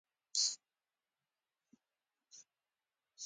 په پښتو کې يو متل دی چې وايي.